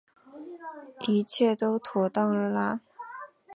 一切都妥当惹拉